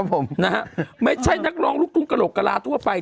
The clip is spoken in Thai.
ผมนะฮะไม่ใช่นักร้องลูกทุ่งกระโหลกกระลาทั่วไป